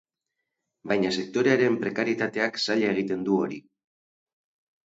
Baina sektorearen prekarietateak zaila egiten du hori.